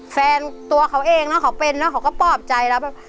แฟนตัวเขาเองเขาเป็นเขาก็ปลอบใจแล้ว